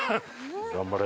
頑張れ。